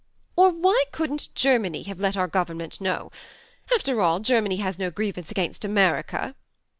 ..." "Or why couldn't G ermany have let our Government know ? After all, Germany has no grievance against America.